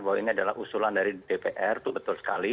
bahwa ini adalah usulan dari dpr itu betul sekali